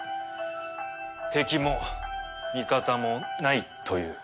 敵も味方もないという。